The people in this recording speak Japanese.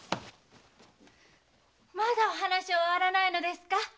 まだお話は終わらないのですか？